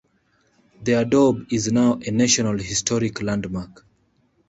The adobe is now a National Historic Landmark.